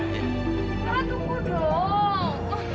nara tunggu dong